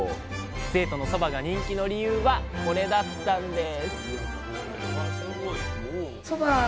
生徒のそばが人気の理由はこれだったんです